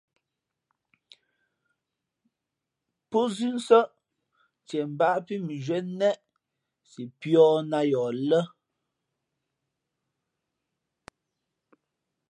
Pózʉ́ nsάʼ ntieʼ mbāʼ pí mʉnzhwíé neʼ si pīᾱ nā yαα lά.